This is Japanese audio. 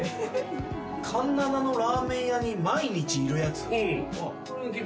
「環七のラーメン屋に毎日いるやつ」？